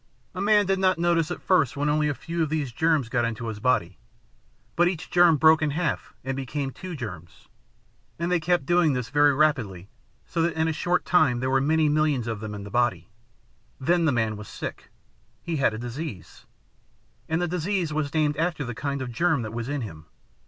A man did not notice at first when only a few of these germs got into his body. But each germ broke in half and became two germs, and they kept doing this very rapidly so that in a short time there were many millions of them in the body. Then the man was sick. He had a disease, and the disease was named after the kind of a germ that was in him.